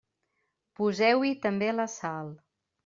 Poseu-hi també la sal.